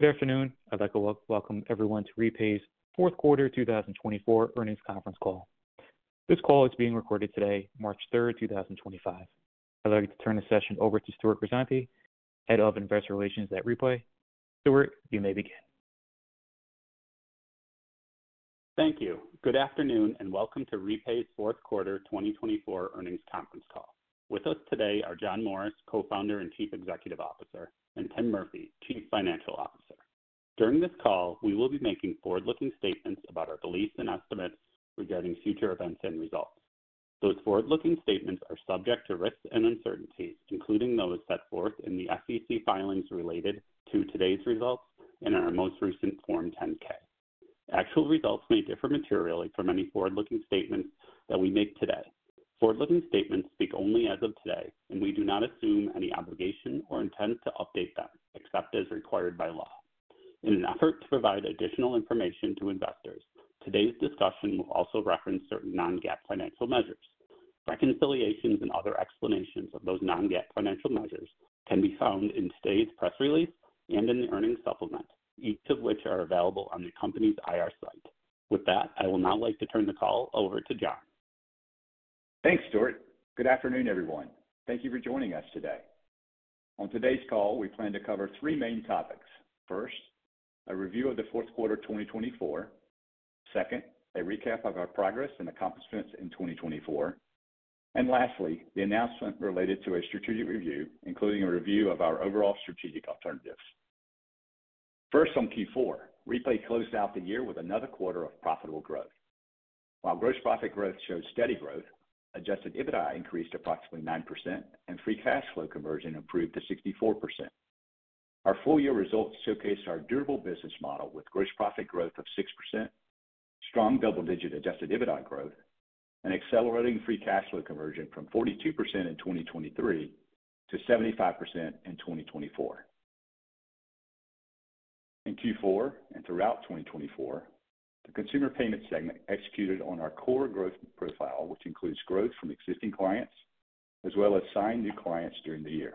Good afternoon. I'd like to welcome everyone to 's fourth quarter 2024 earnings conference call. This call is being recorded today, March 3rd, 2025. I'd like to turn the session over to Stewart Grisante, Head of Investor Relations at REPAY. Stewart, you may begin. Thank you. Good afternoon and welcome to REPAY's fourth quarter 2024 earnings conference call. With us today are John Morris, Co-founder and Chief Executive Officer, and Tim Murphy, Chief Financial Officer. During this call, we will be making forward-looking statements about our beliefs and estimates regarding future events and results. Those forward-looking statements are subject to risks and uncertainties, including those set forth in the SEC filings related to today's results and in our most recent Form 10-K. Actual results may differ materially from any forward-looking statements that we make today. Forward-looking statements speak only as of today, and we do not assume any obligation or intent to update them except as required by law. In an effort to provide additional information to investors, today's discussion will also reference certain non-GAAP financial measures. Reconciliations and other explanations of those non-GAAP financial measures can be found in today's press release and in the earnings supplement, each of which are available on the company's IR site. With that, I would now like to turn the call over to John. Thanks, Stewart. Good afternoon, everyone. Thank you for joining us today. On today's call, we plan to cover three main topics. First, a review of the fourth quarter 2024. Second, a recap of our progress and accomplishments in 2024. Lastly, the announcement related to a strategic review, including a review of our overall strategic alternatives. First, on Q4, REPAY closed out the year with another quarter of profitable growth. While gross profit growth showed steady growth, adjusted EBITDA increased approximately 9%, and free cash flow conversion improved to 64%. Our full-year results showcased our durable business model with gross profit growth of 6%, strong double-digit adjusted EBITDA growth, and accelerating free cash flow conversion from 42% in 2023 to 75% in 2024. In Q4 and throughout 2024, the consumer payments segment executed on our core growth profile, which includes growth from existing clients as well as signed new clients during the year.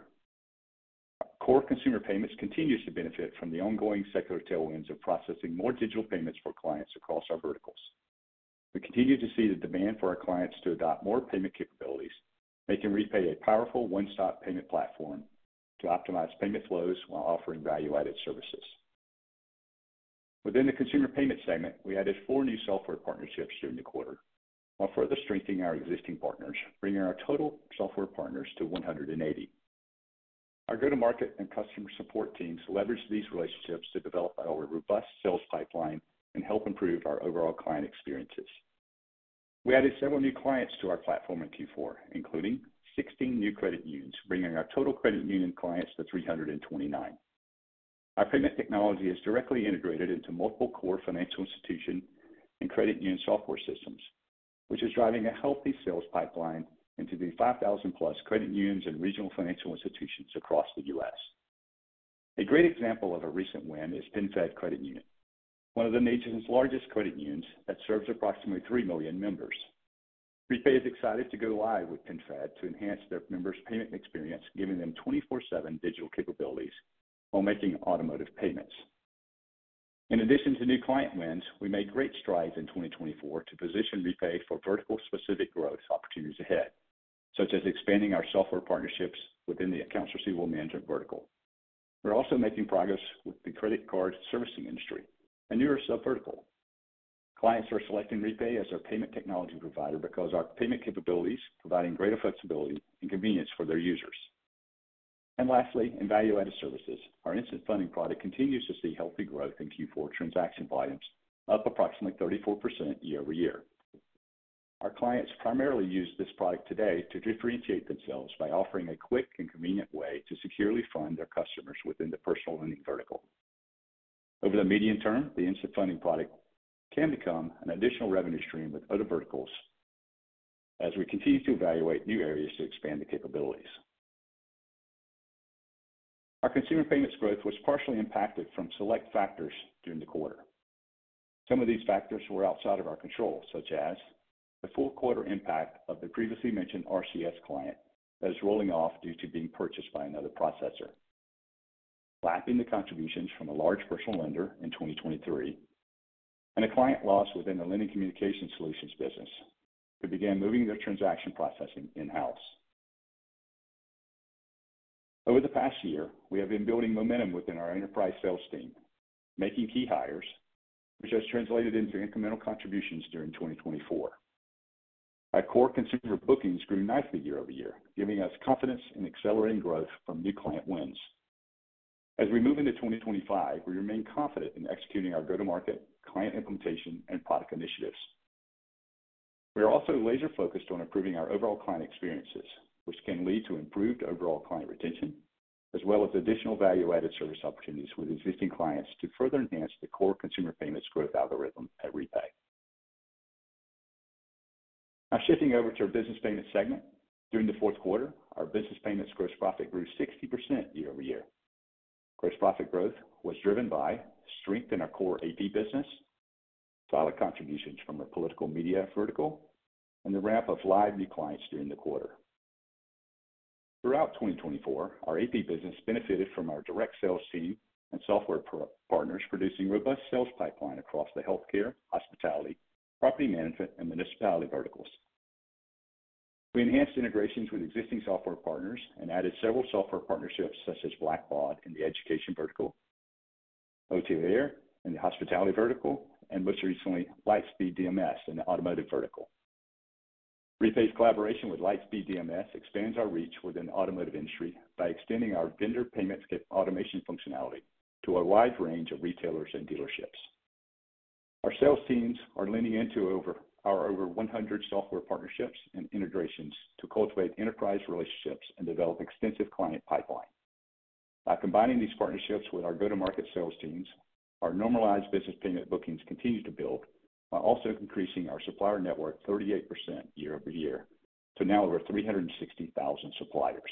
Our core consumer payments continues to benefit from the ongoing sector tailwinds of processing more digital payments for clients across our verticals. We continue to see the demand for our clients to adopt more payment capabilities, making REPAY a powerful one-stop payment platform to optimize payment flows while offering value-added services. Within the consumer payments segment, we added four new software partnerships during the quarter, while further strengthening our existing partners, bringing our total software partners to 180. Our go-to-market and customer support teams leveraged these relationships to develop our robust sales pipeline and help improve our overall client experiences. We added several new clients to our platform in Q4, including 16 new credit unions, bringing our total credit union clients to 329. Our payment technology is directly integrated into multiple core financial institution and credit union software systems, which is driving a healthy sales pipeline into the 5,000+ credit unions and regional financial institutions across the U.S. A great example of a recent win is PenFed Credit Union, one of the nation's largest credit unions that serves approximately 3 million members. REPAY is excited to go live with PenFed to enhance their members' payment experience, giving them 24/7 digital capabilities while making automotive payments. In addition to new client wins, we made great strides in 2024 to position REPAY for vertical-specific growth opportunities ahead, such as expanding our software partnerships within the accounts receivable management vertical. We're also making progress with the credit card servicing industry, a newer subvertical. Clients are selecting REPAY as our payment technology provider because of our payment capabilities, providing greater flexibility and convenience for their users. Lastly, in value-added services, our instant funding product continues to see healthy growth in Q4 transaction volumes, up approximately 34% year over year. Our clients primarily use this product today to differentiate themselves by offering a quick and convenient way to securely fund their customers within the personal lending vertical. Over the medium term, the instant funding product can become an additional revenue stream with other verticals as we continue to evaluate new areas to expand the capabilities. Our consumer payments growth was partially impacted from select factors during the quarter. Some of these factors were outside of our control, such as the full quarter impact of the previously mentioned RCS client that is rolling off due to being purchased by another processor, lapping the contributions from a large personal lender in 2023, and a client loss within the lending communication solutions business who began moving their transaction processing in-house. Over the past year, we have been building momentum within our enterprise sales team, making key hires, which has translated into incremental contributions during 2024. Our core consumer bookings grew nicely year over year, giving us confidence in accelerating growth from new client wins. As we move into 2025, we remain confident in executing our go-to-market, client implementation, and product initiatives. We are also laser-focused on improving our overall client experiences, which can lead to improved overall client retention as well as additional value-added service opportunities with existing clients to further enhance the core consumer payments growth algorithm at REPAY. Now shifting over to our business payments segment, during the fourth quarter, our business payments gross profit grew 60% year over year. Gross profit growth was driven by strength in our core AP business, solid contributions from our political media vertical, and the ramp of live new clients during the quarter. Throughout 2024, our AP business benefited from our direct sales team and software partners producing robust sales pipeline across the healthcare, hospitality, property management, and municipality verticals. We enhanced integrations with existing software partners and added several software partnerships such as Blackbaud in the education vertical, Otavere in the hospitality vertical, and most recently, Lightspeed DMS in the automotive vertical. REPAY's collaboration with Lightspeed DMS expands our reach within the automotive industry by extending our vendor payments automation functionality to a wide range of retailers and dealerships. Our sales teams are leaning into our over 100 software partnerships and integrations to cultivate enterprise relationships and develop extensive client pipeline. By combining these partnerships with our go-to-market sales teams, our normalized business payment bookings continue to build while also increasing our supplier network 38% year-over-year to now over 360,000 suppliers.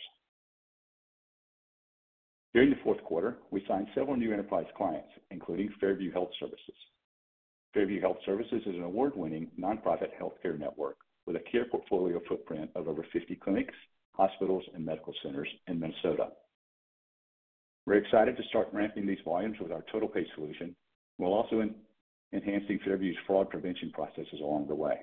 During the fourth quarter, we signed several new enterprise clients, including Fairview Health Services. Fairview Health Services is an award-winning nonprofit healthcare network with a care portfolio footprint of over 50 clinics, hospitals, and medical centers in Minnesota. We're excited to start ramping these volumes with our total pay solution while also enhancing Fairview's fraud prevention processes along the way.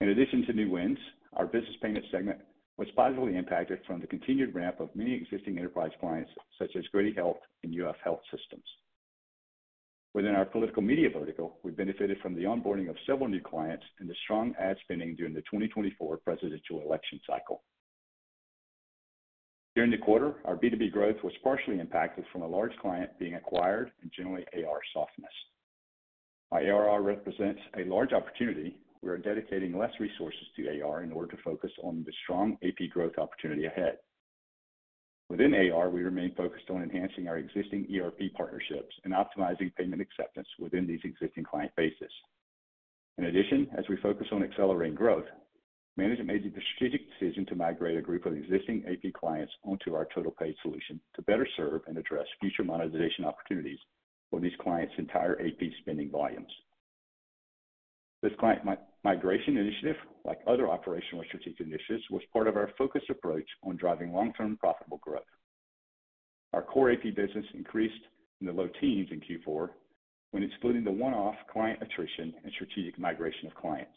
In addition to new wins, our business payment segment was positively impacted from the continued ramp of many existing enterprise clients such as Grady Health and UF Health Systems. Within our political media vertical, we benefited from the onboarding of several new clients and the strong ad spending during the 2024 presidential election cycle. During the quarter, our B2B growth was partially impacted from a large client being acquired and generally AR softness. While AR represents a large opportunity, we are dedicating less resources to AR in order to focus on the strong AP growth opportunity ahead. Within AR, we remain focused on enhancing our existing ERP partnerships and optimizing payment acceptance within these existing client bases. In addition, as we focus on accelerating growth, management made the strategic decision to migrate a group of existing AP clients onto our total pay solution to better serve and address future monetization opportunities for these clients' entire AP spending volumes. This client migration initiative, like other operational strategic initiatives, was part of our focused approach on driving long-term profitable growth. Our core AP business increased in the low teens in Q4 when excluding the one-off client attrition and strategic migration of clients.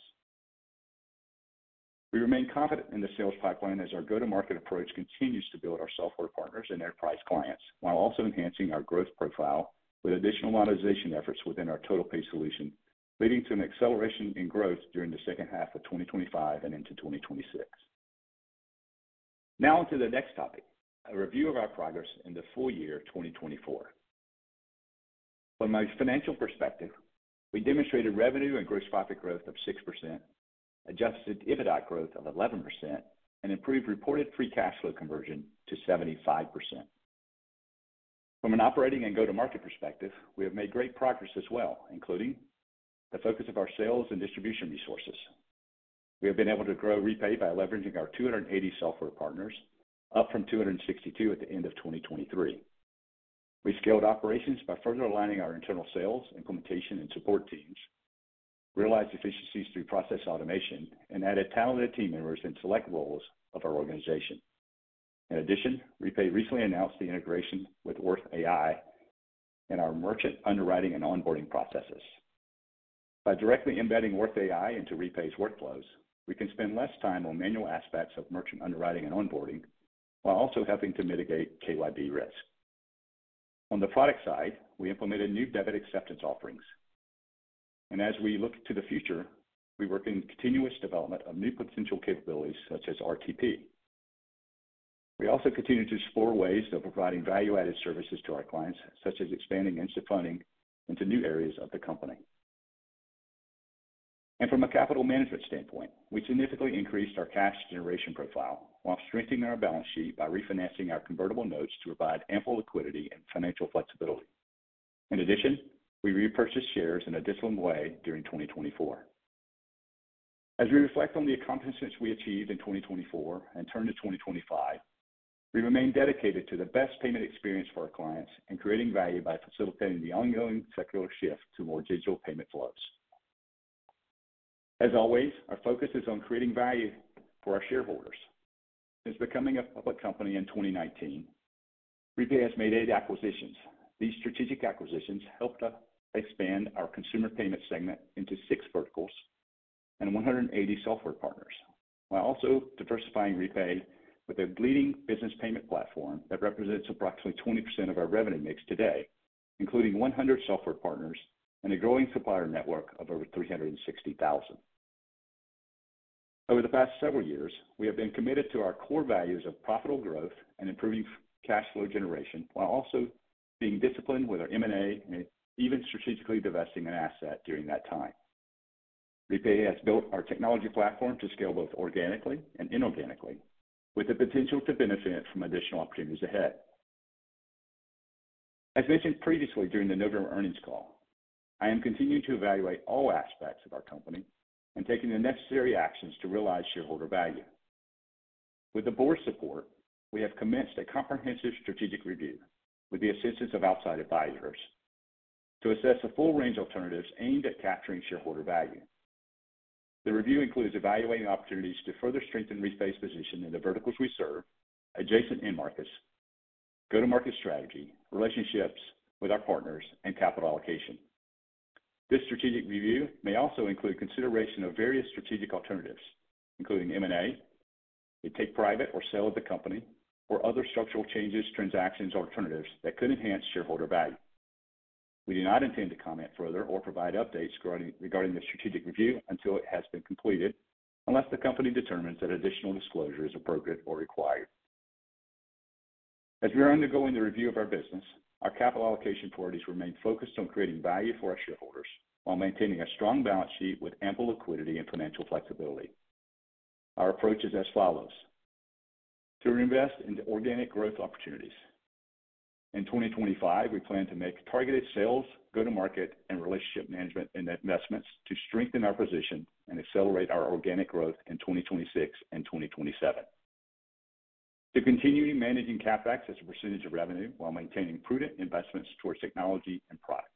We remain confident in the sales pipeline as our go-to-market approach continues to build our software partners and enterprise clients while also enhancing our growth profile with additional monetization efforts within our total pay solution, leading to an acceleration in growth during the second half of 2025 and into 2026. Now on to the next topic, a review of our progress in the full year 2024. From a financial perspective, we demonstrated revenue and gross profit growth of 6%, adjusted EBITDA growth of 11%, and improved reported free cash flow conversion to 75%. From an operating and go-to-market perspective, we have made great progress as well, including the focus of our sales and distribution resources. We have been able to grow REPAY by leveraging our 280 software partners, up from 262 at the end of 2023. We scaled operations by further aligning our internal sales, implementation, and support teams, realized efficiencies through process automation, and added talented team members in select roles of our organization. In addition, REPAY recently announced the integration with Worth AI in our merchant underwriting and onboarding processes. By directly embedding Worth AI into REPAY's workflows, we can spend less time on manual aspects of merchant underwriting and onboarding while also helping to mitigate KYB risk. On the product side, we implemented new debit acceptance offerings. As we look to the future, we work in continuous development of new potential capabilities such as RTP. We also continue to explore ways of providing value-added services to our clients, such as expanding instant funding into new areas of the company. From a capital management standpoint, we significantly increased our cash generation profile while strengthening our balance sheet by refinancing our convertible notes to provide ample liquidity and financial flexibility. In addition, we repurchased shares in a disciplined way during 2024. As we reflect on the accomplishments we achieved in 2024 and turn to 2025, we remain dedicated to the best payment experience for our clients and creating value by facilitating the ongoing sectoral shift to more digital payment flows. As always, our focus is on creating value for our shareholders. Since becoming a public company in 2019, REPAY has made eight acquisitions. These strategic acquisitions helped us expand our consumer payments segment into six verticals and 180 software partners while also diversifying REPAY with a leading business payment platform that represents approximately 20% of our revenue mix today, including 100 software partners and a growing supplier network of over 360,000. Over the past several years, we have been committed to our core values of profitable growth and improving cash flow generation while also being disciplined with our M&A and even strategically divesting an asset during that time. REPAY has built our technology platform to scale both organically and inorganically, with the potential to benefit from additional opportunities ahead. As mentioned previously during the November earnings call, I am continuing to evaluate all aspects of our company and taking the necessary actions to realize shareholder value. With the board's support, we have commenced a comprehensive strategic review with the assistance of outside advisors to assess a full range of alternatives aimed at capturing shareholder value. The review includes evaluating opportunities to further strengthen REPAY's position in the verticals we serve, adjacent end markets, go-to-market strategy, relationships with our partners, and capital allocation. This strategic review may also include consideration of various strategic alternatives, including M&A, retake private or sale of the company, or other structural changes, transactions, or alternatives that could enhance shareholder value. We do not intend to comment further or provide updates regarding the strategic review until it has been completed, unless the company determines that additional disclosure is appropriate or required. As we are undergoing the review of our business, our capital allocation priorities remain focused on creating value for our shareholders while maintaining a strong balance sheet with ample liquidity and financial flexibility. Our approach is as follows: to invest in organic growth opportunities. In 2025, we plan to make targeted sales, go-to-market, and relationship management investments to strengthen our position and accelerate our organic growth in 2026 and 2027. To continue managing CapEx as a percentage of revenue while maintaining prudent investments towards technology and product.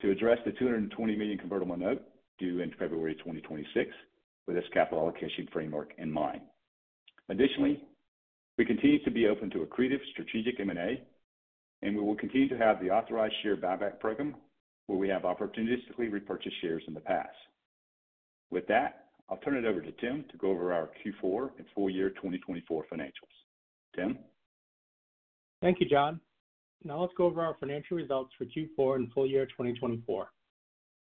To address the $220 million convertible note due in February 2026 with this capital allocation framework in mind. Additionally, we continue to be open to a creative strategic M&A, and we will continue to have the authorized share buyback program where we have opportunistically repurchased shares in the past. With that, I'll turn it over to Tim to go over our Q4 and full year 2024 financials. Tim? Thank you, John. Now let's go over our financial results for Q4 and full year 2024.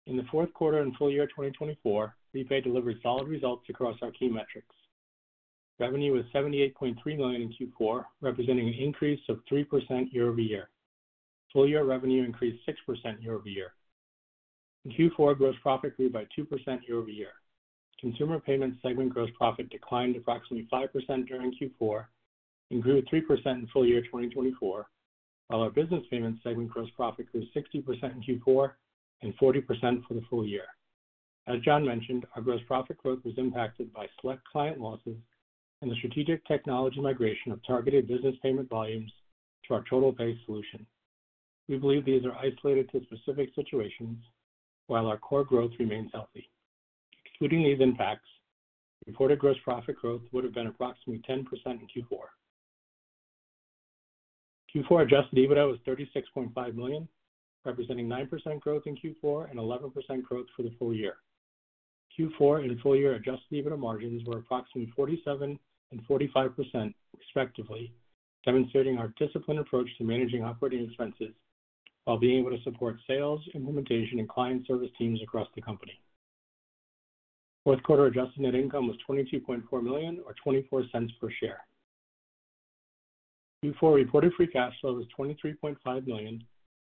In the fourth quarter and full year 2024, REPAY delivered solid results across our key metrics. Revenue was $78.3 million in Q4, representing an increase of 3% year-over-year. Full year revenue increased 6% year-over-year. In Q4, gross profit grew by 2% year-over-year. Consumer payments segment gross profit declined approximately 5% during Q4 and grew 3% in full year 2024, while our business payments segment gross profit grew 60% in Q4 and 40% for the full year. As John mentioned, our gross profit growth was impacted by select client losses and the strategic technology migration of targeted business payment volumes to our total pay solution. We believe these are isolated to specific situations while our core growth remains healthy. Excluding these impacts, reported gross profit growth would have been approximately 10% in Q4. Q4 adjusted EBITDA was $36.5 million, representing 9% growth in Q4 and 11% growth for the full year. Q4 and full year adjusted EBITDA margins were approximately 47% and 45% respectively, demonstrating our disciplined approach to managing operating expenses while being able to support sales, implementation, and client service teams across the company. Fourth quarter adjusted net income was $22.4 million, or $0.24 per share. Q4 reported free cash flow was $23.5 million,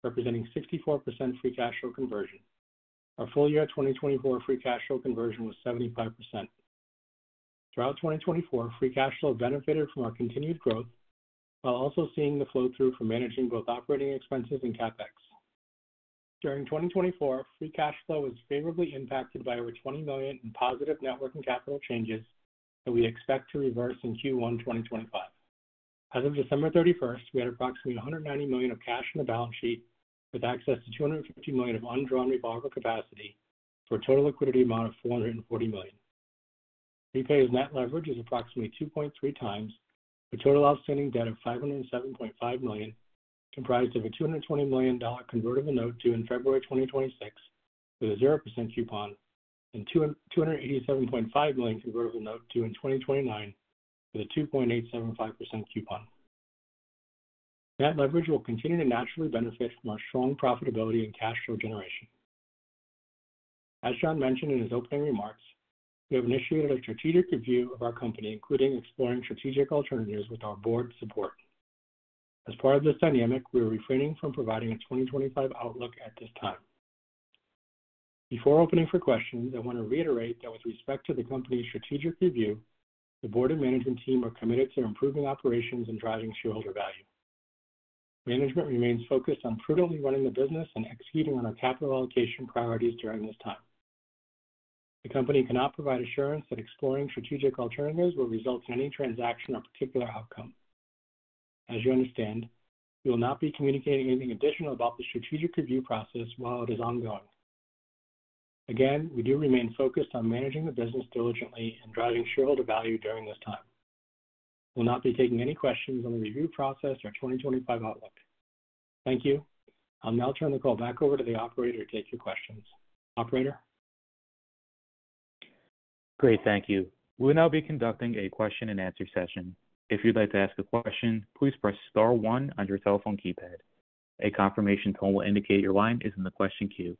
representing 64% free cash flow conversion. Our full year 2024 free cash flow conversion was 75%. Throughout 2024, free cash flow benefited from our continued growth while also seeing the flow-through for managing both operating expenses and CapEx. During 2024, free cash flow was favorably impacted by over $20 million in positive network and capital changes that we expect to reverse in Q1 2025. As of December 31st, we had approximately $190 million of cash in the balance sheet with access to $250 million of undrawn revolving capacity for a total liquidity amount of $440 million. REPAY's net leverage is approximately 2.3x the total outstanding debt of $507.5 million, comprised of a $220 million convertible note due in February 2026 with a 0% coupon and $287.5 million convertible note due in 2029 with a 2.875% coupon. Net leverage will continue to naturally benefit from our strong profitability and cash flow generation. As John mentioned in his opening remarks, we have initiated a strategic review of our company, including exploring strategic alternatives with our board support. As part of this dynamic, we are refraining from providing a 2025 outlook at this time. Before opening for questions, I want to reiterate that with respect to the company's strategic review, the board and management team are committed to improving operations and driving shareholder value. Management remains focused on prudently running the business and exceeding on our capital allocation priorities during this time. The company cannot provide assurance that exploring strategic alternatives will result in any transaction or particular outcome. As you understand, we will not be communicating anything additional about the strategic review process while it is ongoing. Again, we do remain focused on managing the business diligently and driving shareholder value during this time. We will not be taking any questions on the review process or 2025 outlook. Thank you. I'll now turn the call back over to the operator to take your questions. Operator? Great. Thank you. We will now be conducting a question-and-answer session. If you'd like to ask a question, please press star 1 on your telephone keypad. A confirmation tone will indicate your line is in the question queue.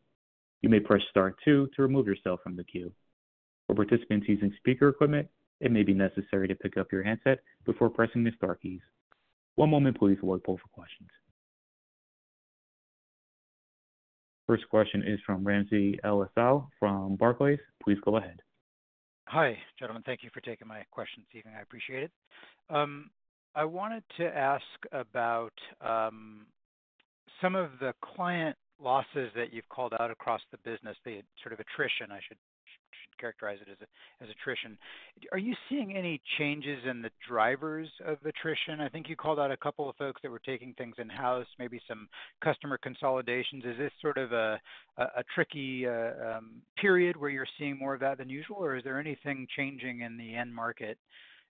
You may press star 2 to remove yourself from the queue. For participants using speaker equipment, it may be necessary to pick up your handset before pressing the star keys. One moment, please, while we pull for questions. First question is from Ramsey El-Assal from Barclays. Please go ahead. Hi, gentlemen. Thank you for taking my question, [Steven]. I appreciate it. I wanted to ask about some of the client losses that you've called out across the business, the sort of attrition, I should characterize it as attrition. Are you seeing any changes in the drivers of attrition? I think you called out a couple of folks that were taking things in-house, maybe some customer consolidations. Is this sort of a tricky period where you're seeing more of that than usual, or is there anything changing in the end market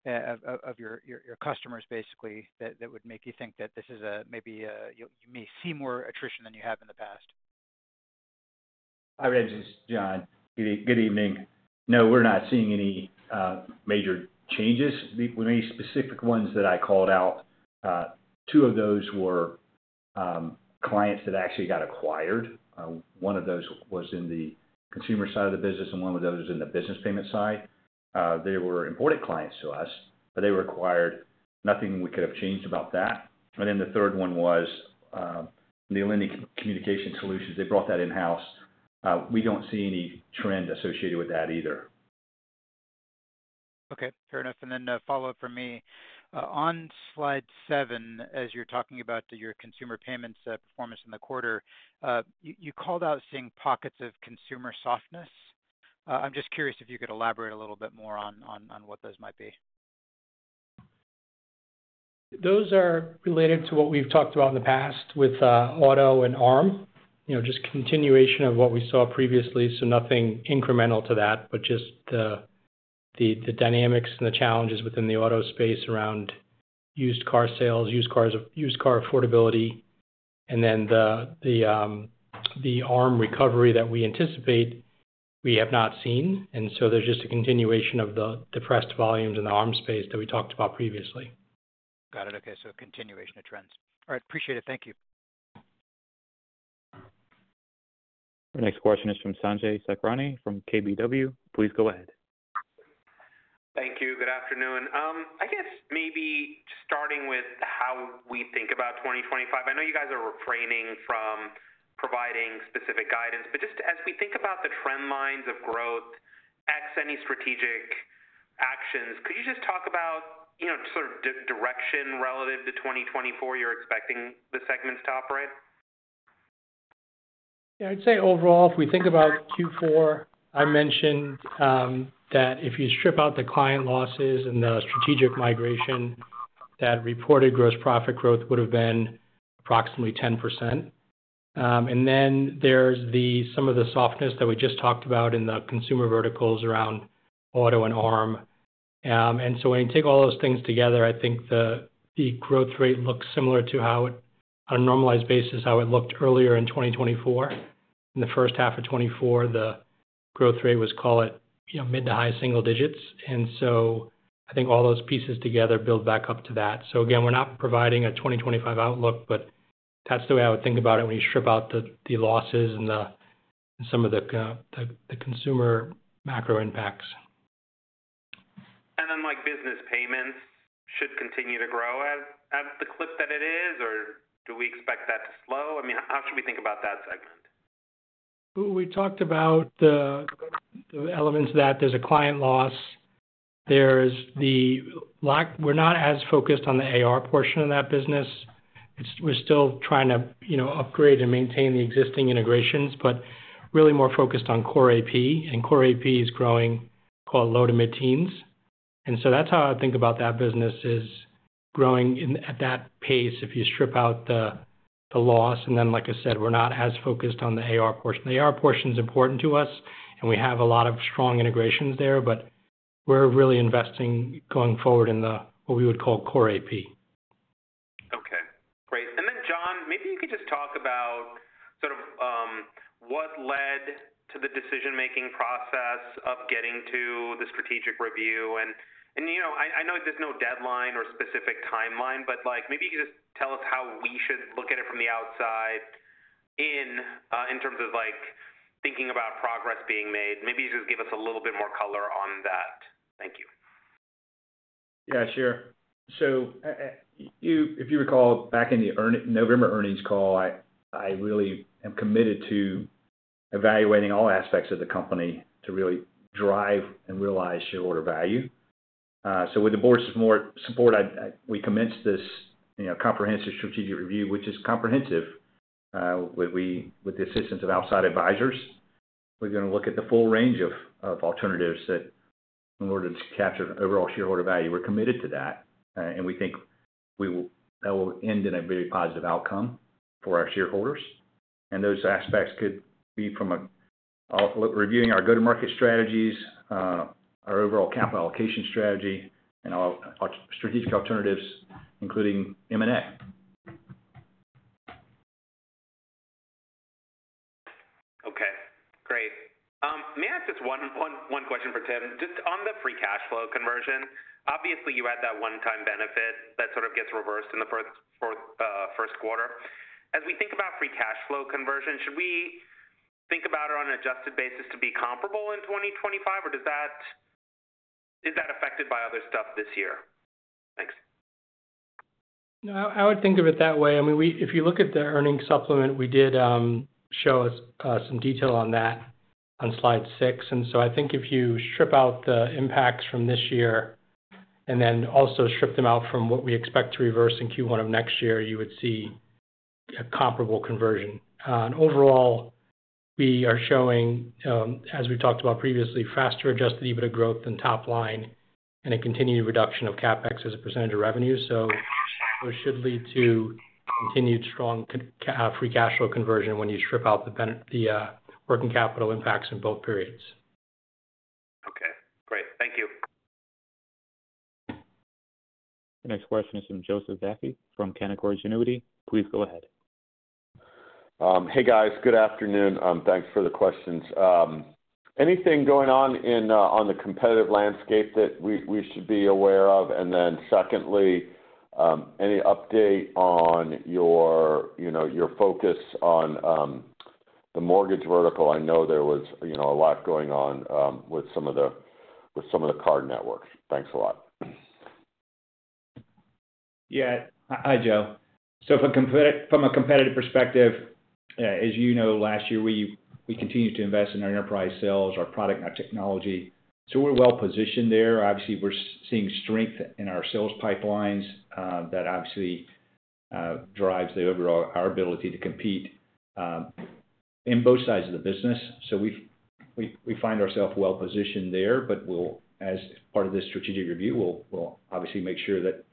of your customers, basically, that would make you think that this is maybe you may see more attrition than you have in the past? Hi, Ramsey's John. Good evening. No, we're not seeing any major changes. The only specific ones that I called out, two of those were clients that actually got acquired. One of those was in the consumer side of the business, and one of those was in the business payment side. They were important clients to us, but they were acquired. Nothing we could have changed about that. The third one wasc. They brought that in-house. We do not see any trend associated with that either. Okay. Fair enough. A follow-up from me. On slide seven, as you are talking about your consumer payments performance in the quarter, you called out seeing pockets of consumer softness. I am just curious if you could elaborate a little bit more on what those might be. Those are related to what we have talked about in the past with auto and ARM, just continuation of what we saw previously. Nothing incremental to that, just the dynamics and the challenges within the auto space around used car sales, used car affordability, and the ARM recovery that we anticipate we have not seen. There is just a continuation of the depressed volumes in the ARM space that we talked about previously. Got it. Okay. A continuation of trends. All right. Appreciate it. Thank you. Our next question is from Sanjay Sakhrani from KBW. Please go ahead. Thank you. Good afternoon. I guess maybe starting with how we think about 2025. I know you guys are refraining from providing specific guidance, but just as we think about the trend lines of growth, X, any strategic actions, could you just talk about sort of direction relative to 2024 you're expecting the segments to operate? Yeah. I'd say overall, if we think about Q4, I mentioned that if you strip out the client losses and the strategic migration, that reported gross profit growth would have been approximately 10%. And then there's some of the softness that we just talked about in the consumer verticals around auto and ARM. When you take all those things together, I think the growth rate looks similar to, on a normalized basis, how it looked earlier in 2024. In the first half of 2024, the growth rate was, call it, mid to high single digits. I think all those pieces together build back up to that. Again, we're not providing a 2025 outlook, but that's the way I would think about it when you strip out the losses and some of the consumer macro impacts. Business payments should continue to grow at the clip that it is, or do we expect that to slow? I mean, how should we think about that segment? We talked about the elements that there's a client loss. We're not as focused on the AR portion of that business. We're still trying to upgrade and maintain the existing integrations, but really more focused on core AP. Core AP is growing, call it, low to mid-teens. That is how I think about that business, is growing at that pace if you strip out the loss. Like I said, we're not as focused on the AR portion. The AR portion is important to us, and we have a lot of strong integrations there, but we're really investing going forward in what we would call core AP. Okay. Great. John, maybe you could just talk about sort of what led to the decision-making process of getting to the strategic review. I know there is no deadline or specific timeline, but maybe you could just tell us how we should look at it from the outside in terms of thinking about progress being made. Maybe you just give us a little bit more color on that. Thank you. Yeah, sure. If you recall, back in the November earnings call, I really am committed to evaluating all aspects of the company to really drive and realize shareholder value. With the board's support, we commenced this comprehensive strategic review, which is comprehensive with the assistance of outside advisors. We're going to look at the full range of alternatives in order to capture overall shareholder value. We're committed to that, and we think that will end in a very positive outcome for our shareholders. Those aspects could be from reviewing our go-to-market strategies, our overall capital allocation strategy, and our strategic alternatives, including M&A. Okay. Great. May I ask just one question for Tim? Just on the free cash flow conversion, obviously, you had that one-time benefit that sort of gets reversed in the first quarter. As we think about free cash flow conversion, should we think about it on an adjusted basis to be comparable in 2025, or is that affected by other stuff this year? Thanks. I would think of it that way. I mean, if you look at the earnings supplement, we did show us some detail on that on slide six. And so I think if you strip out the impacts from this year and then also strip them out from what we expect to reverse in Q1 of next year, you would see a comparable conversion. Overall, we are showing, as we talked about previously, faster adjusted EBITDA growth than top line and a continued reduction of CapEx as a percentage of revenue. It should lead to continued strong free cash flow conversion when you strip out the working capital impacts in both periods. Okay. Great. Thank you. Next question is from Joseph Vafi from Canaccord Genuity. Please go ahead. Hey, guys. Good afternoon. Thanks for the questions. Anything going on on the competitive landscape that we should be aware of? Secondly, any update on your focus on the mortgage vertical? I know there was a lot going on with some of the card networks. Thanks a lot. Yeah. Hi, Joe. From a competitive perspective, as you know, last year, we continued to invest in our enterprise sales, our product, and our technology. We are well-positioned there. Obviously, we are seeing strength in our sales pipelines that drives our ability to compete in both sides of the business. We find ourselves well-positioned there, but as part of this strategic review, we will make sure that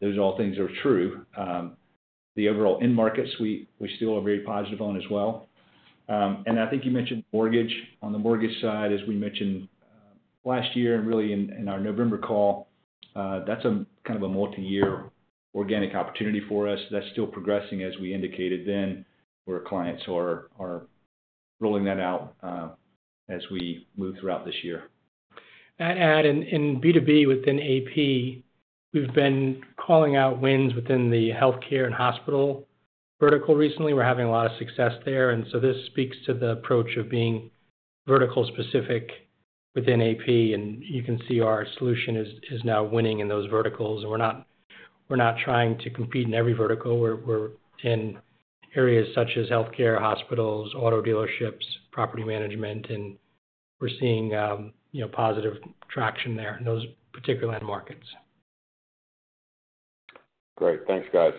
those things are true. The overall end markets, we still are very positive on as well. I think you mentioned mortgage. On the mortgage side, as we mentioned last year and really in our November call, that's kind of a multi-year organic opportunity for us. That's still progressing, as we indicated then. Our clients are rolling that out as we move throughout this year. In B2B within AP, we've been calling out wins within the healthcare and hospital vertical recently. We're having a lot of success there. This speaks to the approach of being vertical-specific within AP. You can see our solution is now winning in those verticals. We're not trying to compete in every vertical. We're in areas such as healthcare, hospitals, auto dealerships, property management, and we're seeing positive traction there in those particular end markets. Great. Thanks, guys.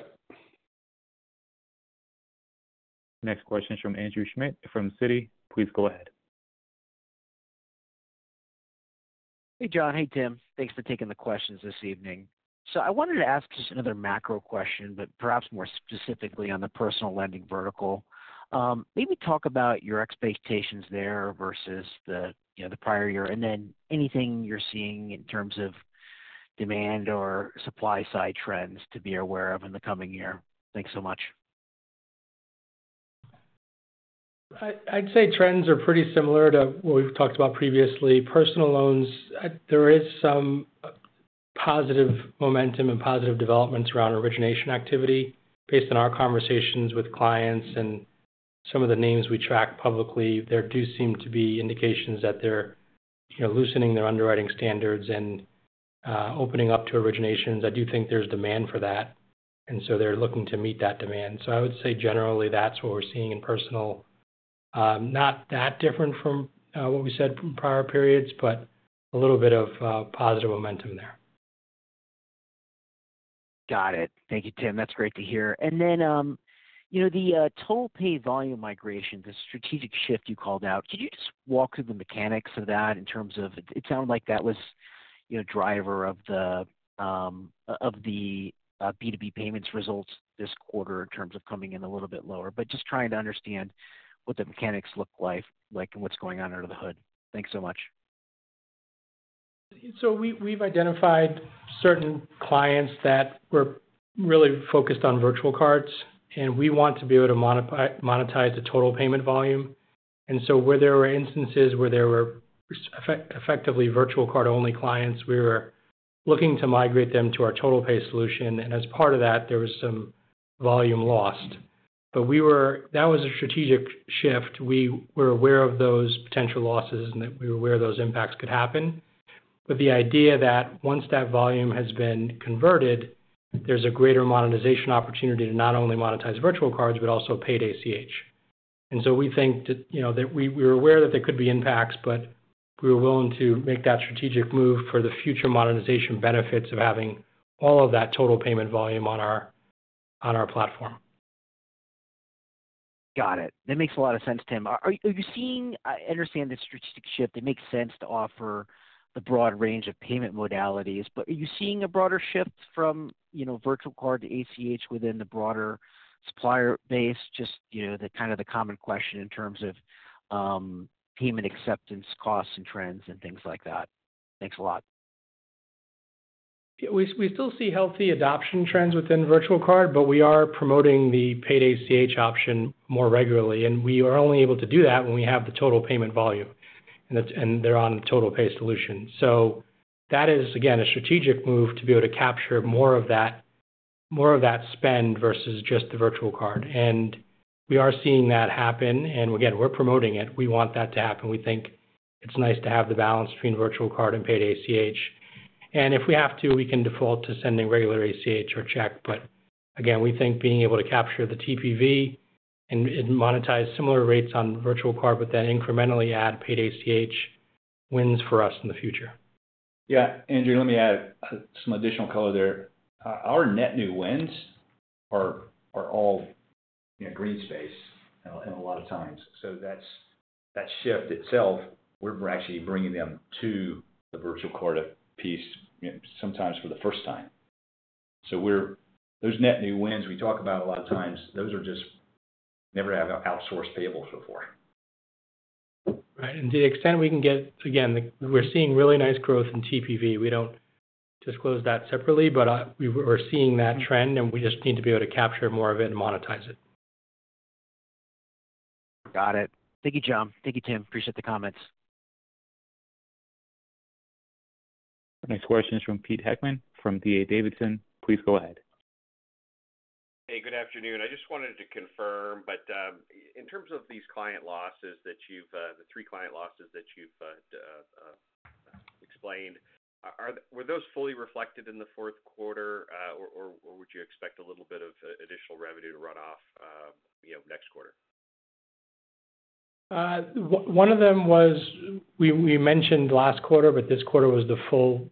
Next question is from Andrew Schmidt from Citi. Please go ahead. Hey, John. Hey, Tim. Thanks for taking the questions this evening. I wanted to ask just another macro question, but perhaps more specifically on the personal lending vertical. Maybe talk about your expectations there versus the prior year, and then anything you're seeing in terms of demand or supply-side trends to be aware of in the coming year. Thanks so much. I'd say trends are pretty similar to what we've talked about previously. Personal loans, there is some positive momentum and positive developments around origination activity. Based on our conversations with clients and some of the names we track publicly, there do seem to be indications that they're loosening their underwriting standards and opening up to originations. I do think there's demand for that, and so they're looking to meet that demand. I would say, generally, that's what we're seeing in personal. Not that different from what we said from prior periods, but a little bit of positive momentum there. Got it. Thank you, Tim. That's great to hear. The total pay volume migration, the strategic shift you called out, could you just walk through the mechanics of that in terms of it sounded like that was a driver of the B2B payments results this quarter in terms of coming in a little bit lower, but just trying to understand what the mechanics look like and what's going on under the hood. Thanks so much. We have identified certain clients that were really focused on virtual cards, and we want to be able to monetize the total payment volume. Where there were instances where there were effectively virtual card-only clients, we were looking to migrate them to our total pay solution. As part of that, there was some volume lost. That was a strategic shift. We were aware of those potential losses and that we were aware those impacts could happen. The idea is that once that volume has been converted, there is a greater monetization opportunity to not only monetize virtual cards, but also paid ACH. We think that we were aware that there could be impacts, but we were willing to make that strategic move for the future monetization benefits of having all of that total payment volume on our platform. Got it. That makes a lot of sense, Tim. I understand the strategic shift. It makes sense to offer the broad range of payment modalities. Are you seeing a broader shift from virtual card to ACH within the broader supplier base? Just kind of the common question in terms of payment acceptance, costs, and trends, and things like that. Thanks a lot. We still see healthy adoption trends within virtual card, but we are promoting the paid ACH option more regularly. We are only able to do that when we have the total payment volume, and they are on the total pay solution. That is, again, a strategic move to be able to capture more of that spend versus just the virtual card. We are seeing that happen. We are promoting it. We want that to happen. We think it is nice to have the balance between virtual card and paid ACH. If we have to, we can default to sending regular ACH or check. Again, we think being able to capture the TPV and monetize similar rates on virtual card, but then incrementally add paid ACH wins for us in the future. Yeah. Andrew, let me add some additional color there. Our net new wins are all green space a lot of times. That shift itself, we're actually bringing them to the virtual card piece sometimes for the first time. Those net new wins we talk about a lot of times, those just never have outsourced payables before. Right. To the extent we can get, again, we're seeing really nice growth in TPV. We do not disclose that separately, but we're seeing that trend, and we just need to be able to capture more of it and monetize it. Got it. Thank you, John. Thank you, Tim. Appreciate the comments. Next question is from Pete Heckmann from D.A. Davidson. Please go ahead. Hey, good afternoon. I just wanted to confirm, but in terms of these client losses, the three client losses that you've explained, were those fully reflected in the fourth quarter, or would you expect a little bit of additional revenue to run off next quarter? One of them was we mentioned last quarter, but this quarter was the full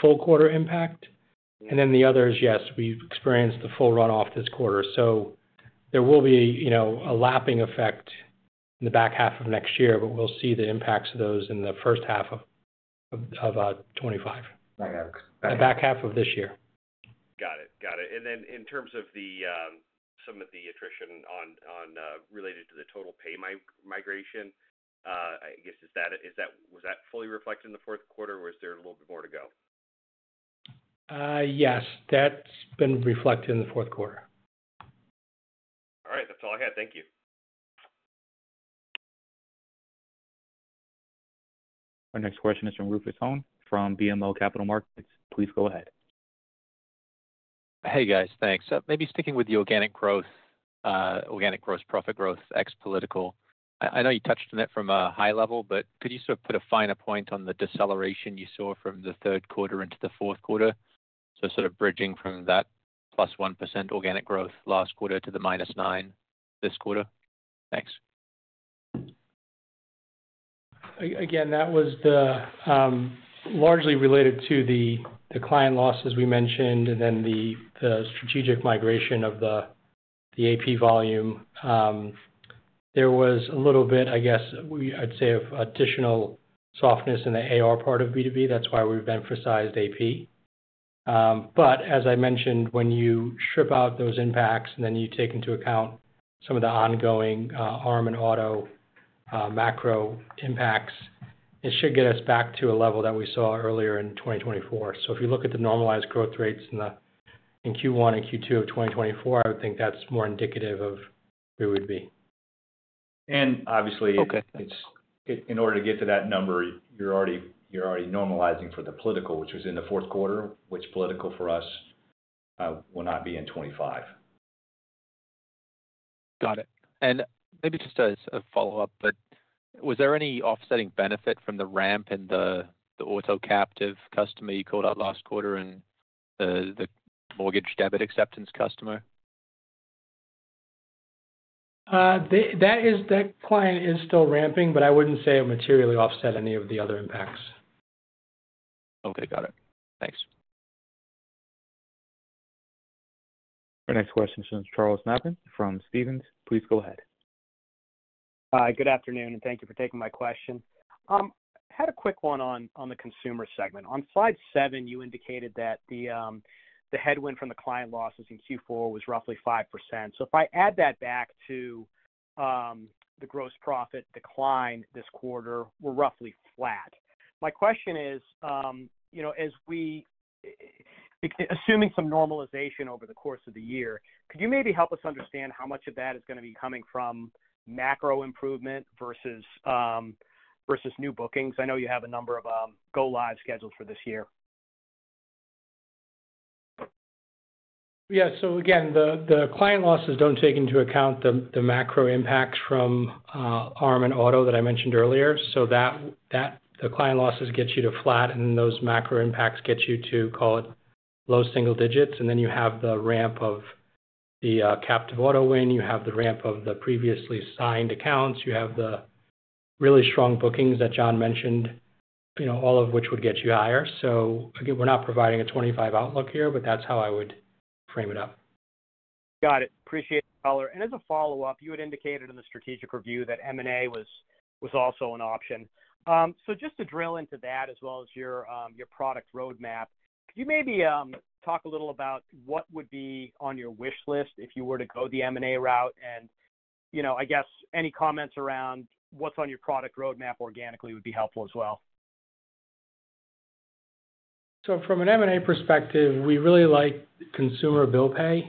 quarter impact. The other is, yes, we've experienced the full run-off this quarter. There will be a lapping effect in the back half of next year, but we'll see the impacts of those in the first half of 2025. Back half of this year. Got it. Got it. In terms of some of the attrition related to the total pay migration, I guess, was that fully reflected in the fourth quarter, or was there a little bit more to go? Yes. That's been reflected in the fourth quarter. All right. That's all I had. Thank you. Our next question is from Rufus Hone from BMO Capital Markets. Please go ahead. Hey, guys. Thanks. Maybe sticking with the organic growth, organic growth, profit growth, ex-political. I know you touched on it from a high level, but could you sort of put a finer point on the deceleration you saw from the third quarter into the fourth quarter? Sort of bridging from that plus 1% organic growth last quarter to the minus 9 this quarter. Thanks. Again, that was largely related to the client losses we mentioned and then the strategic migration of the AP volume. There was a little bit, I guess, I'd say, of additional softness in the AR part of B2B. That's why we've emphasized AP. As I mentioned, when you strip out those impacts and then you take into account some of the ongoing arm and auto macro impacts, it should get us back to a level that we saw earlier in 2024. If you look at the normalized growth rates in Q1 and Q2 of 2024, I would think that's more indicative of where we'd be. Obviously, in order to get to that number, you're already normalizing for the political, which was in the fourth quarter, which political for us will not be in 2025. Got it. Maybe just as a follow-up, was there any offsetting benefit from the ramp in the auto captive customer you called out last quarter and the mortgage debit acceptance customer? That client is still ramping, but I wouldn't say it materially offset any of the other impacts. Okay. Got it. Thanks. Our next question is from Charles Nabhan from Stephens. Please go ahead. Hi. Good afternoon, and thank you for taking my question. Had a quick one on the consumer segment. On slide seven, you indicated that the headwind from the client losses in Q4 was roughly 5%. If I add that back to the gross profit decline this quarter, we're roughly flat. My question is, assuming some normalization over the course of the year, could you maybe help us understand how much of that is going to be coming from macro improvement versus new bookings? I know you have a number of go-live scheduled for this year. Yeah. The client losses don't take into account the macro impacts from arm and auto that I mentioned earlier. The client losses get you to flat, and then those macro impacts get you to, call it, low single digits. Then you have the ramp of the captive auto win. You have the ramp of the previously signed accounts. You have the really strong bookings that John mentioned, all of which would get you higher. We're not providing a 2025 outlook here, but that's how I would frame it up. Got it. Appreciate the color. As a follow-up, you had indicated in the strategic review that M&A was also an option. Just to drill into that as well as your product roadmap, could you maybe talk a little about what would be on your wish list if you were to go the M&A route? I guess any comments around what's on your product roadmap organically would be helpful as well. From an M&A perspective, we really like consumer bill pay.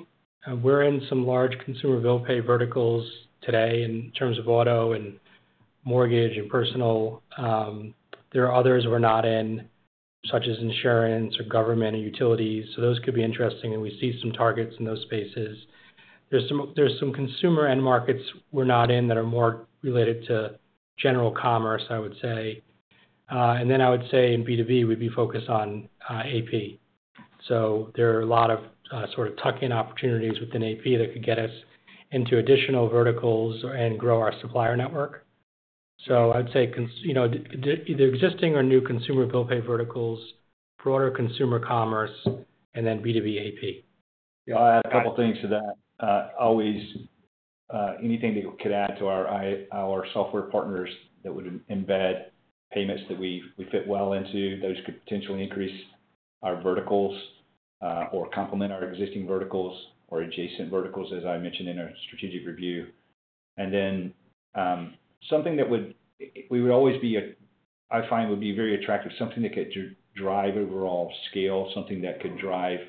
We're in some large consumer bill pay verticals today in terms of auto and mortgage and personal. There are others we're not in, such as insurance or government or utilities. Those could be interesting. We see some targets in those spaces. There are some consumer end markets we're not in that are more related to general commerce, I would say. I would say in B2B, we'd be focused on AP. There are a lot of sort of tuck-in opportunities within AP that could get us into additional verticals and grow our supplier network. I would say either existing or new consumer bill pay verticals, broader consumer commerce, and then B2B AP. Yeah. I'll add a couple of things to that. Anything that could add to our software partners that would embed payments that we fit well into, those could potentially increase our verticals or complement our existing verticals or adjacent verticals, as I mentioned in our strategic review. Something that we would always be, I find, would be very attractive, something that could drive overall scale, something that could drive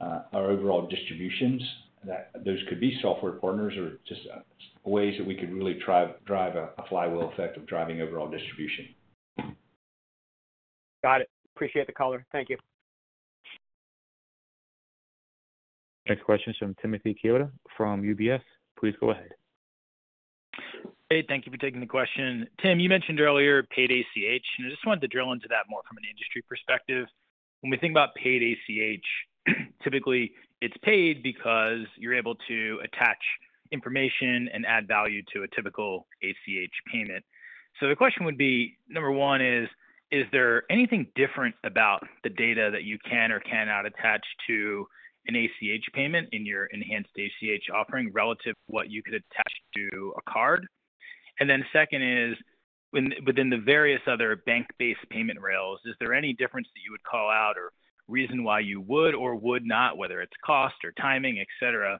our overall distributions. Those could be software partners or just ways that we could really drive a flywheel effect of driving overall distribution. Got it. Appreciate the color. Thank you. Next question is from Timothy Chiodo from UBS. Please go ahead. Hey, thank you for taking the question. Tim, you mentioned earlier paid ACH, and I just wanted to drill into that more from an industry perspective. When we think about paid ACH, typically, it's paid because you're able to attach information and add value to a typical ACH payment. The question would be, number one is, is there anything different about the data that you can or cannot attach to an ACH payment in your enhanced ACH offering relative to what you could attach to a card? Then second is, within the various other bank-based payment rails, is there any difference that you would call out or reason why you would or would not, whether it's cost or timing, etc.,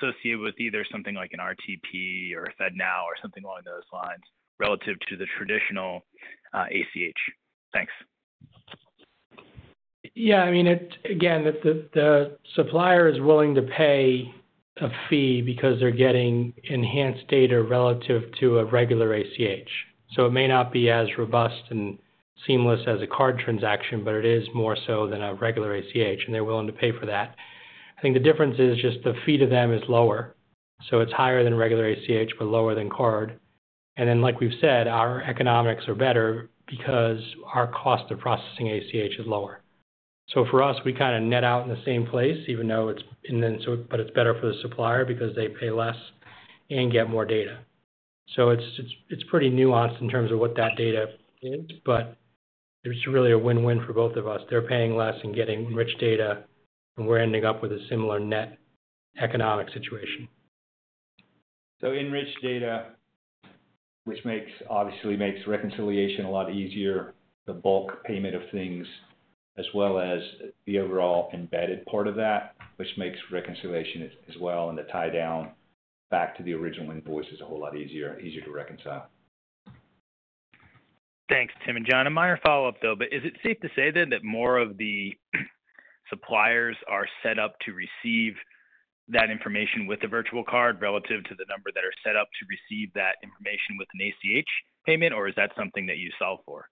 associated with either something like an RTP or FedNow or something along those lines relative to the traditional ACH? Thanks. Yeah. I mean, again, the supplier is willing to pay a fee because they're getting enhanced data relative to a regular ACH. It may not be as robust and seamless as a card transaction, but it is more so than a regular ACH, and they're willing to pay for that. I think the difference is just the fee to them is lower. It is higher than regular ACH, but lower than card. Like we've said, our economics are better because our cost of processing ACH is lower. For us, we kind of net out in the same place, even though it's in there, but it's better for the supplier because they pay less and get more data. It is pretty nuanced in terms of what that data is, but it's really a win-win for both of us. They're paying less and getting rich data, and we're ending up with a similar net economic situation. Enriched data, which obviously makes reconciliation a lot easier, the bulk payment of things, as well as the overall embedded part of that, which makes reconciliation as well and the tie-down back to the original invoices a whole lot easier to reconcile. Thanks, Tim and John. My follow-up, though, is it safe to say then that more of the suppliers are set up to receive that information with the virtual card relative to the number that are set up to receive that information with an ACH payment, or is that something that you solve for?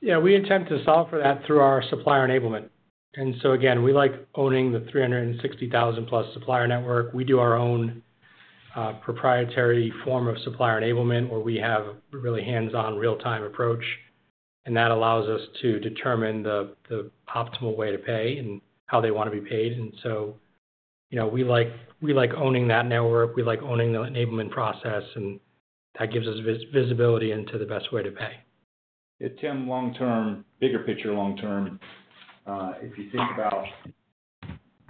Yeah. We intend to solve for that through our supplier enablement. Again, we like owning the 360,000-plus supplier network. We do our own proprietary form of supplier enablement where we have a really hands-on, real-time approach, and that allows us to determine the optimal way to pay and how they want to be paid. We like owning that network. We like owning the enablement process, and that gives us visibility into the best way to pay. Tim, long-term, bigger picture, long-term, if you think about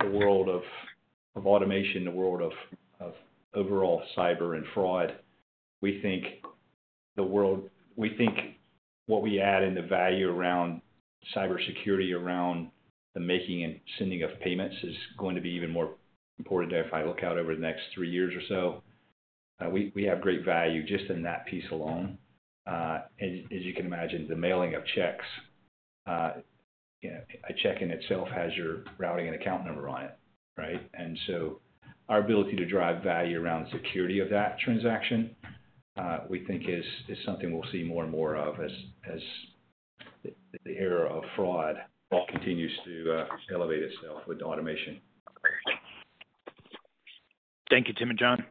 the world of automation, the world of overall cyber and fraud, we think what we add in the value around cybersecurity, around the making and sending of payments, is going to be even more important if I look out over the next three years or so. We have great value just in that piece alone. As you can imagine, the mailing of checks, a check in itself has your routing and account number on it, right? Our ability to drive value around the security of that transaction, we think, is something we'll see more and more of as the era of fraud continues to elevate itself with automation. Thank you, Tim and John.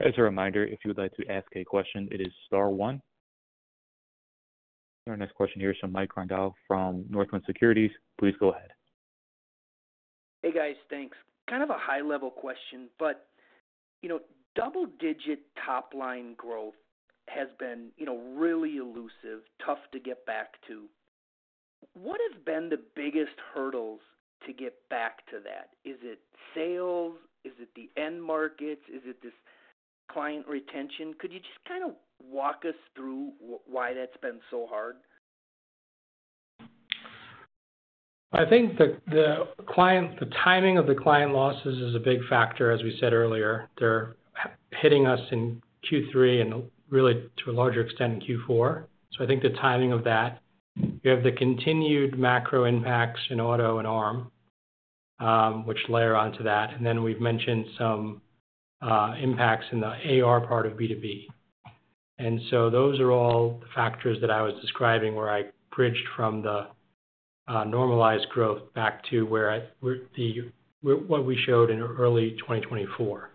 As a reminder, if you would like to ask a question, it is star one. Our next question here is from Mike Grondahl from Northland Securities. Please go ahead. Hey, guys. Thanks. Kind of a high-level question, but double-digit top-line growth has been really elusive, tough to get back to. What have been the biggest hurdles to get back to that? Is it sales? Is it the end markets? Is it this client retention? Could you just kind of walk us through why that's been so hard? I think the timing of the client losses is a big factor, as we said earlier. They're hitting us in Q3 and really, to a larger extent, in Q4. I think the timing of that. You have the continued macro impacts in auto and AR, which layer onto that. We've mentioned some impacts in the AR part of B2B. Those are all factors that I was describing where I bridged from the normalized growth back to what we showed in early 2024.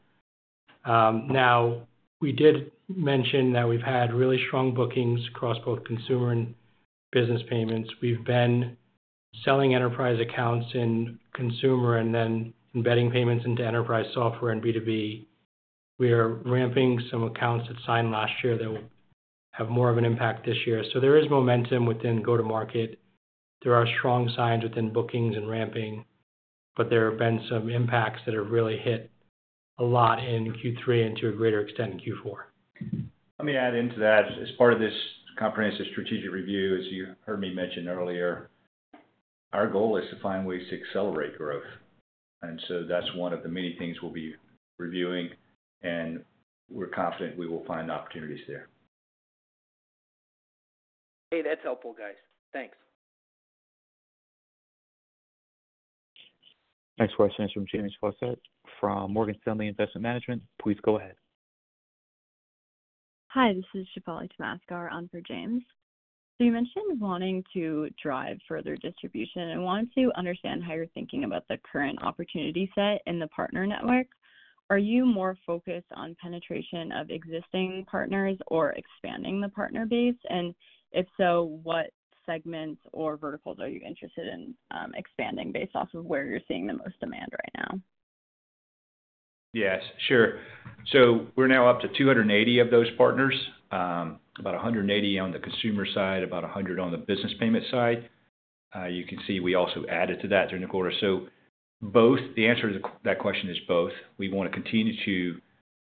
We did mention that we've had really strong bookings across both consumer and business payments. We've been selling enterprise accounts in consumer and then embedding payments into enterprise software and B2B. We are ramping some accounts that signed last year that will have more of an impact this year. There is momentum within go-to-market. There are strong signs within bookings and ramping, but there have been some impacts that have really hit a lot in Q3 and, to a greater extent, in Q4. Let me add into that, as part of this comprehensive strategic review, as you heard me mention earlier, our goal is to find ways to accelerate growth. That is one of the many things we will be reviewing, and we are confident we will find opportunities there. Hey, that is helpful, guys. Thanks. Next question is from James Fawcett from Morgan Stanley Investment Management. Please go ahead. Hi. This is Shefali Tamaskar on for James. You mentioned wanting to drive further distribution. I wanted to understand how you are thinking about the current opportunity set in the partner network. Are you more focused on penetration of existing partners or expanding the partner base? If so, what segments or verticals are you interested in expanding based off of where you're seeing the most demand right now? Yes. Sure. We're now up to 280 of those partners, about 180 on the consumer side, about 100 on the business payment side. You can see we also added to that during the quarter. The answer to that question is both. We want to continue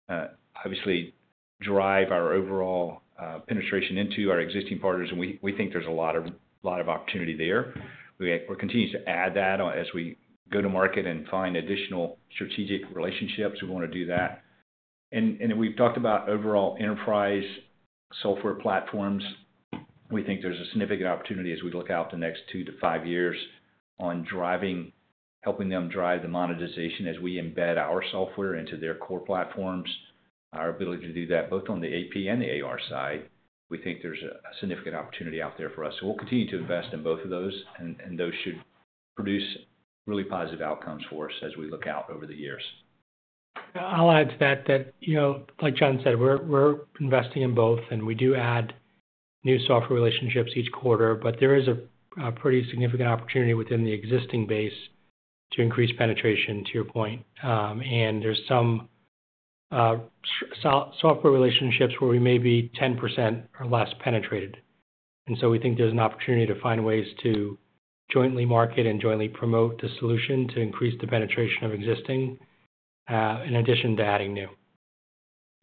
to, obviously, drive our overall penetration into our existing partners, and we think there's a lot of opportunity there. We're continuing to add that as we go to market and find additional strategic relationships. We want to do that. We've talked about overall enterprise software platforms. We think there's a significant opportunity as we look out the next two to five years on helping them drive the monetization as we embed our software into their core platforms, our ability to do that both on the AP and the AR side. We think there's a significant opportunity out there for us. We will continue to invest in both of those, and those should produce really positive outcomes for us as we look out over the years. I will add to that that, like John said, we're investing in both, and we do add new software relationships each quarter, but there is a pretty significant opportunity within the existing base to increase penetration, to your point. There are some software relationships where we may be 10% or less penetrated. We think there is an opportunity to find ways to jointly market and jointly promote the solution to increase the penetration of existing in addition to adding new.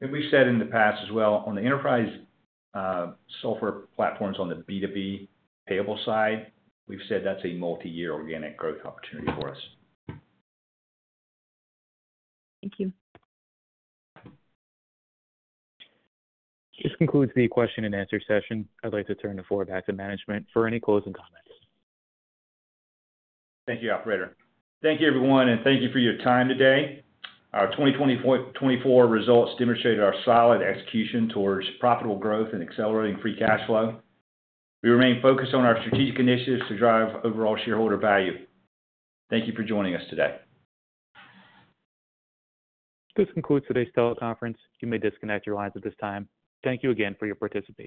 We have said in the past as well, on the enterprise software platforms on the B2B payable side, that is a multi-year organic growth opportunity for us. Thank you. This concludes the question-and-answer session. I would like to turn the floor back to management for any closing comments. Thank you, Operator. Thank you, everyone, and thank you for your time today. Our 2024 results demonstrated our solid execution towards profitable growth and accelerating free cash flow. We remain focused on our strategic initiatives to drive overall shareholder value. Thank you for joining us today. This concludes today's teleconference. You may disconnect your lines at this time. Thank you again for your participation.